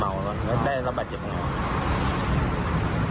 เมาแล้วแล้วได้รับบัญเจ็บยังไง